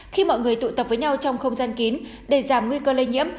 khi mọi người tụ tập với nhau trong không gian kín để giảm nguy cơ lây nhiễm